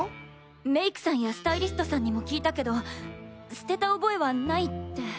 メイクさんやスタイリストさんにも聞いたけど捨てた覚えはないって。